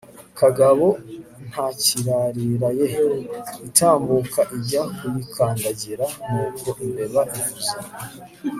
kagabo ntikirarira ye!, itambuka ijya kuyikandagira. nuko imbeba ivuza